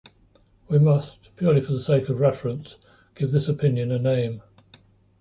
We must, purely for the sake of reference, give this opinion a name.